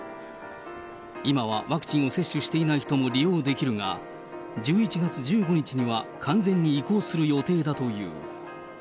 今はワクチンを接種していない人も利用できるが、１１月１５日には完全に移行する予定だという。